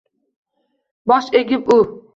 Bosh egib u